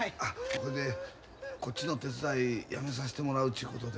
ほいでこっちの手伝いやめさしてもらうちゅうことで。